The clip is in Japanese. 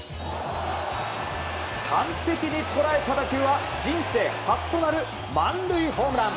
完璧に捉えた打球は人生初となる満塁ホームラン。